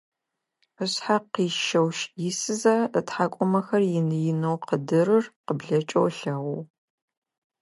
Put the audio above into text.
Ышъхьэ къищэу исызэ, ытхьакӀумэхэр ины-инэу къыдырыр къыблэкӀэу ылъэгъугъ.